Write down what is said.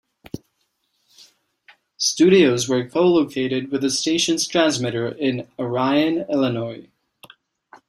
Studios were co-located with the station's transmitter in Orion, Illinois.